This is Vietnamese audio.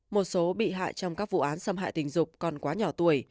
một số bị hại trong các vụ án xâm hại tình dục còn quá nhỏ tuổi